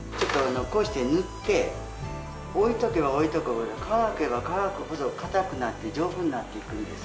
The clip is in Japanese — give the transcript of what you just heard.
こうして塗って置いとけば置いとくほど乾けば乾くほど硬くなって丈夫になっていくんです。